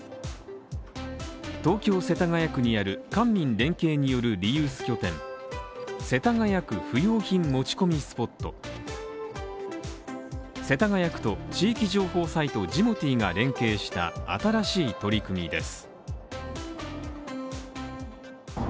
東京・世田谷区にある官民連携によるリユース拠点世田谷区不用品持ち込みスポット世田谷区と地域情報サイトジモティーが連携した新しい取り組みです